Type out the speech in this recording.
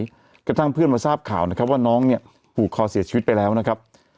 กระทั่งเพื่อนมาทราบข่าวนะครับว่าน้องเนี่ยผูกคอเสียชีวิตไปแล้วนะครับ